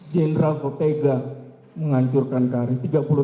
jenderal kok tega menghancurkan karir